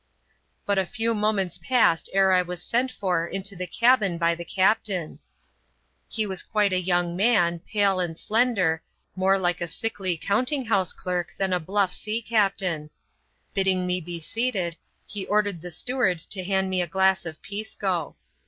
But a few moments passed ere I was sent for into the cabin by the captain. He was quite a young man, pale and slender, more like a sickly counting house clerk than a bluff sea captain. Bidding me be seated, he ordered the steward to hand me a glass of Pisco.